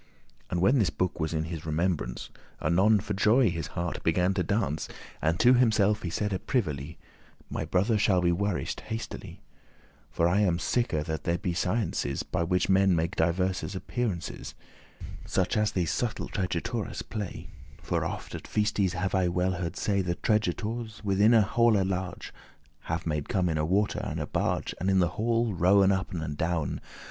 And when this book was in his remembrance Anon for joy his heart began to dance, And to himself he saide privily; "My brother shall be warish'd* hastily *cured For I am sicker* that there be sciences, *certain By which men make divers apparences, Such as these subtle tregetoures play. *tricksters <14> For oft at feaste's have I well heard say, That tregetours, within a halle large, Have made come in a water and a barge, And in the halle rowen up and down.